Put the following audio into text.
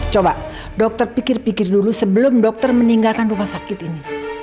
coba dokter pikir pikir dulu sebelum dokter meninggalkan rumah sakit ini